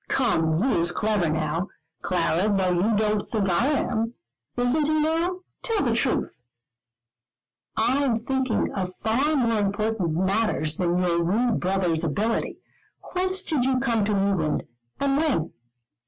Come, he is clever now, Clara, though you don't think I am. Isn't he now? Tell the truth." "I am thinking of far more important matters than your rude brother's ability. Whence did you come to England and when?"